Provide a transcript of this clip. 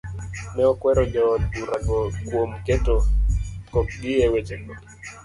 Ne okwero jood bura go kuom keto kokgi e wechego.